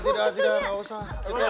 tidak tidak gak usah